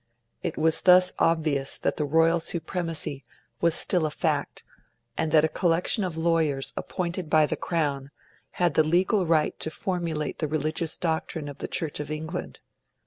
It was thus obvious that the Royal Supremacy was still a fact, and that a collection of lawyers appointed by the Crown had the legal right to formulate the religious doctrine of the Church of England.